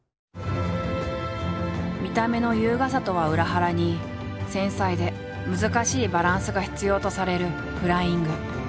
見た目の優雅さとは裏腹に繊細で難しいバランスが必要とされるフライング。